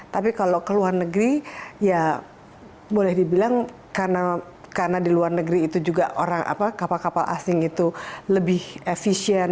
tapi kalau ke luar negeri ya boleh dibilang karena di luar negeri itu juga kapal kapal asing itu lebih efisien